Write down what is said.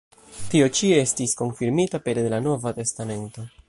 Tio ĉi estis konfirmita pere de la Nova Testamento.